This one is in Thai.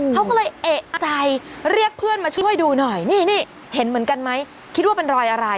เขาก็เลยเอกใจเรียกเพื่อนมาช่วยดูหน่อยนี่นี่เห็นเหมือนกันไหมคิดว่าเป็นรอยอะไร